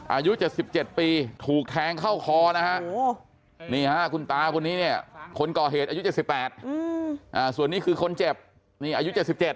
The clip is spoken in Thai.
อายุ๗๗ปีถูกแทงเข้าคอคุณตาคนนี้คนก่อเหตุอายุ๗๘ส่วนนี้คือคนเจ็บอายุ๗๗